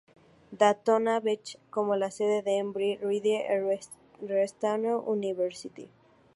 Daytona Beach como la sede del Embry-Riddle Aeronautical University.